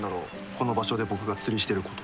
この場所で僕が釣りしてること。